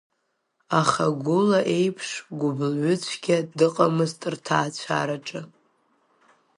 Аха гәыла иеиԥш гәыблҩыцәгьа дыҟамызт рҭаацәараҿы.